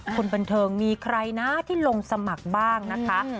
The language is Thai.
คนบันเทิงมีใครนะที่ลงสมัครบ้างนะคะ